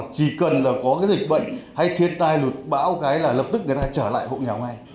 chỉ cần có dịch bệnh hay thiết tai lụt bão là lập tức người ta trở lại hộ nghèo ngay